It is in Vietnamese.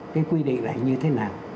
cái quy định này như thế nào